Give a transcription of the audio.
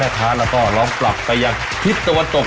แล้วก็ลองปรับอย่างคิดตะวันตก